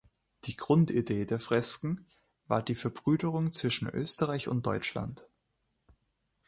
Die Grundidee der Fresken war die Verbrüderung zwischen Österreich und Deutschland.